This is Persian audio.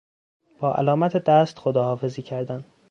با علامت دست خداحافظی کردن